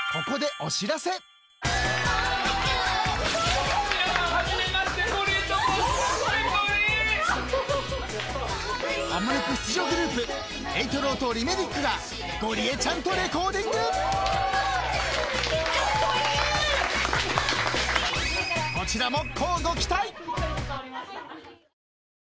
［こちらも］